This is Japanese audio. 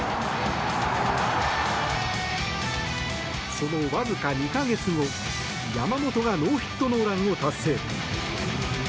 そのわずか２か月後、山本がノーヒットノーランを達成。